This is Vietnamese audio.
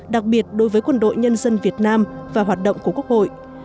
đặc biệt đối với quân đội nhân dân việt nam và hoạt động của quốc hội